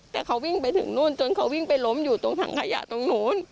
แต่เขาวิ่งไปถึงนู่นจนเขาวิ่งไปล้มอยู่ตรงถังขยะตรงนู้น